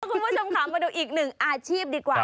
คุณผู้ชมค่ะมาดูอีกหนึ่งอาชีพดีกว่า